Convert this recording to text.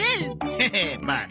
へへまあな。